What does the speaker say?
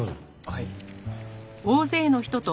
はい。